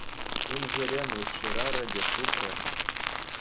Кунсерен ĕç шырарӗ те тупрӗ.